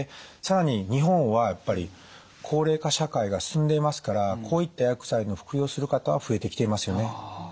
更に日本はやっぱり高齢化社会が進んでいますからこういった薬剤の服用する方は増えてきていますよね。